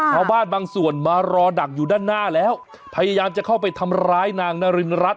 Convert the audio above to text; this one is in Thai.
บางส่วนมารอดักอยู่ด้านหน้าแล้วพยายามจะเข้าไปทำร้ายนางนารินรัฐ